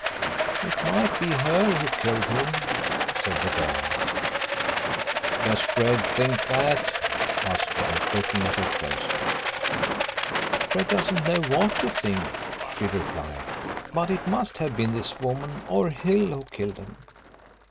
"It might be her who killed him," said the girl. "Does Fred think that?" asked Kemp, looking at her closely. "Fred doesn't know what to think," she replied. "But it must have been this woman or Hill who killed him.